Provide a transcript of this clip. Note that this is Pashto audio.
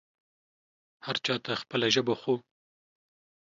هر چا ته خپله ژبه خو